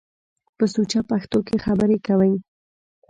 په سوچه پښتو کښ خبرې کوٸ۔